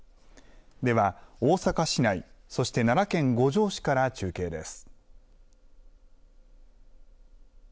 では、大阪市内、そして奈良県五條市から中継です。